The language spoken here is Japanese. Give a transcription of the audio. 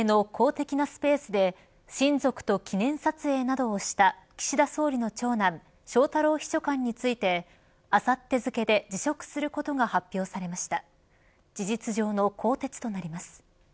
総理大臣公邸の公的なスペースで親族と記念撮影などをした岸田総理の長男翔太郎秘書官についてあさって付けで辞職することが発表されました。